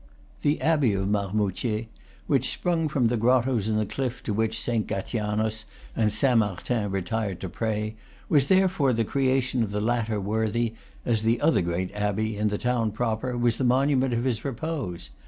The abbey of Marmoutier, which sprung from the grottos in the cliff to which Saint Gatianus and Saint Martin re tired to pray, was therefore the creation of the latter worthy, as the other great abbey, in the town proper, was the monument of his repose.